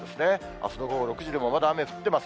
あすの午後６時でもまだ雨降ってます。